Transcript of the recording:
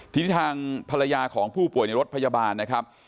ทีนี้ทางภรรยาของผู้ป่วยในรถพยาบาลนะครับ